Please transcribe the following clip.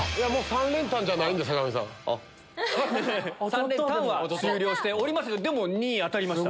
３連単は終了しておりますがでも２位当たりました。